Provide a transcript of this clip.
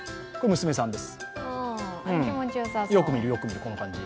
よく見る、よく見る、この感じ。